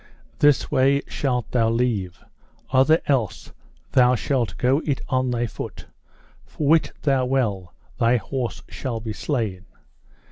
This way shalt thou leave, other else thou shalt go it on thy foot, for wit thou well thy horse shall be slain.